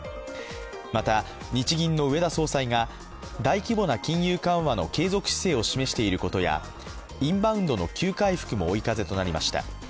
また、日銀の植田総裁が大規模な金融緩和の継続姿勢を示していることやインバウンドの急回復も追い風となりました。